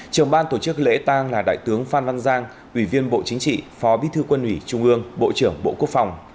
trường ban tổ chức lễ tang là đại tướng phan văn giang ủy viên bộ chính trị phó bí thư quân ủy trung ương bộ trưởng bộ quốc phòng